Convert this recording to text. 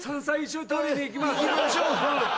行きましょう。